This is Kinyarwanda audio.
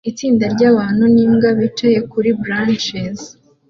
Itsinda ryabantu nimbwa bicaye kuri blachers